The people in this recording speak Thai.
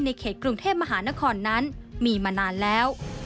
เขตกรุงเทพมหานครนั้นมีมานานแล้ว